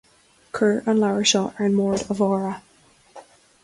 Cuir an leabhar seo ar an mbord, a Mháire